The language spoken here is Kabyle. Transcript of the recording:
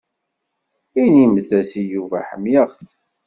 Inimt-as i Yuba ḥemmleɣ-t.